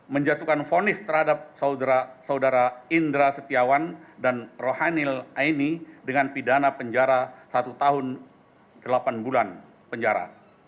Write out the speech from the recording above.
menjatuhkan fonis terhadap saudara indra setiawan dan rohanil aini dengan pidana penjara satu tahun delapan bulan penjara